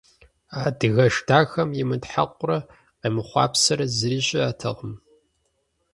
А адыгэш дахэм имытхьэкъурэ къемыхъуапсэрэ зыри щыӀэтэкъым.